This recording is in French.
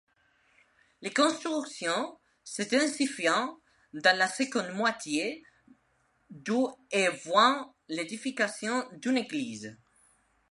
Les constructions se densifient dans la seconde moitié du et voient l'édification d'une église.